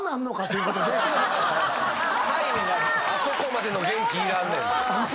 あそこまでの元気いらんねん。